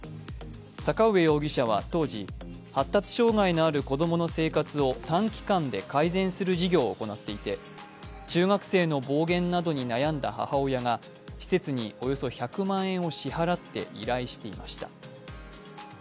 坂上容疑者は当時、発達障害のある子供の生活を短期間で改善する事業を行っていて、中学生の暴言などに悩んだ母親が施設におよそ１００万円を支払って依頼していました。